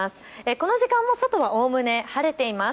この時間も外はおおむね晴れています。